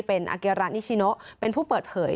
เป็นอาเกรานิชิโนเป็นผู้เปิดเผย